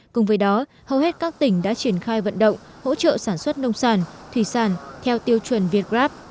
cùng với đó hầu hết các tỉnh đã triển khai vận động hỗ trợ sản xuất nông sản thủy sản theo tiêu chuẩn việt grab